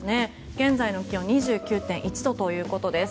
現在の気温２９．１度ということです。